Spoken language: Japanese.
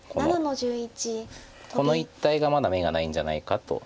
この一帯がまだ眼がないんじゃないかと。